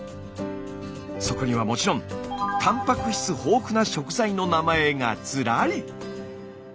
そこにはもちろんたんぱく質豊富な食材の名前がずらり！